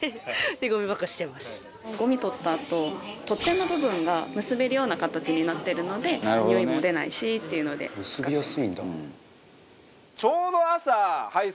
ゴミ取ったあと取っ手の部分が結べるような形になっているのでにおいも出ないしっていうので使ってます。